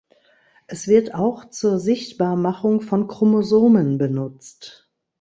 Es wird auch zur Sichtbarmachung von Chromosomen benutzt.